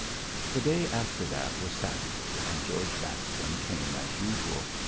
The day after that was Saturday, and George Bascombe came as usual.